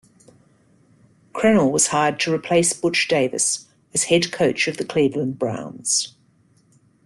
Crennel was hired to replace Butch Davis as head coach of the Cleveland Browns.